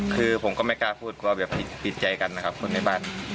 คือผมก็ไม่กล้าพูดกลัวแบบติดใจกันนะครับคนในบ้าน